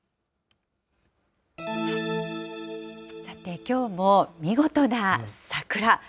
さて、きょうも見事な桜。